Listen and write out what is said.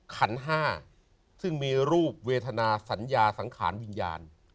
ขันห้าซึ่งมีรูปเวทนาสัญญาสังขารวิญญาณ